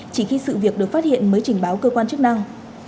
chỉ khi sự việc được phát hiện mới trình báo cơ quan chức năng